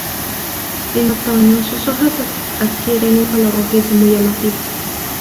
En otoño sus hojas adquieren un color rojizo muy llamativo.